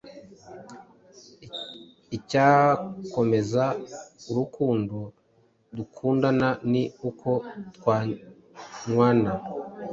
icyakomeza urukundo dukundana ni uko twanywana.